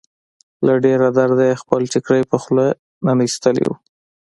له ډېره درده يې خپل ټيکری په خوله ننوېستی و.